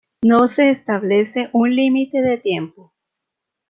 No se establece un límite de tiempo.